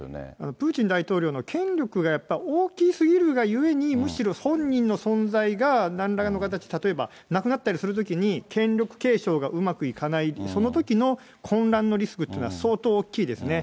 プーチン大統領の権力がやっぱり大きすぎるがゆえに、むしろ本人の存在がなんらかの形、例えば、亡くなったりするときに権力継承がうまくいかない、そのときの混乱のリスクっていうのは相当、大きいですね。